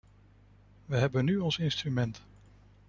We hebben nu ons instrument.